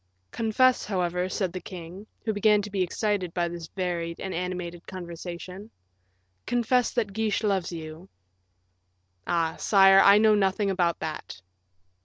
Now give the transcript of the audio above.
"Confess, however," said the king, who began to be excited by this varied and animated conversation; "confess that Guiche loves you." "Ah! sire, I know nothing about that."